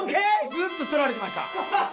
ずっと撮られてました。